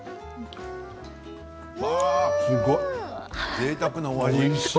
ぜいたくなお味。